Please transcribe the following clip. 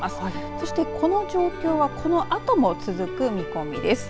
そしてこの状況はこのあとも続く見込みです。